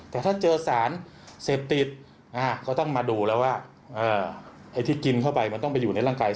แต่ถ้าเจอสารเสพติดก็ต้องมาดูแล้วว่าไอ้ที่กินเข้าไปมันต้องไปอยู่ในร่างกาย